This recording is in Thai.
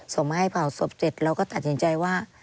ส่งมาให้เผาศพเสร็จเราก็ตัดสินใจว่า